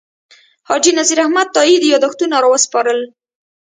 حاجي نذیر احمد تائي یاداښتونه راوسپارل.